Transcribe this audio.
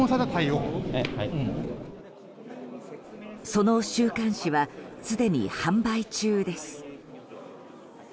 その週刊誌はすでに販売中です。